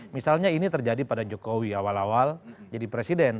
misalnya ini terjadi pada jokowi awal awal jadi presiden